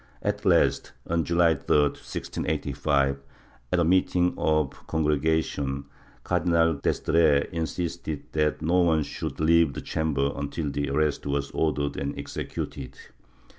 At last, on July 3, 1685, at a meeting of the Congregation, Cardinal d'Estrees insisted that no one should leave the chamber until the arrest was ordered and executed.